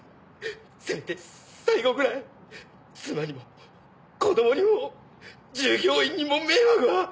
せめて最後ぐらい妻にも子供にも従業員にも迷惑は！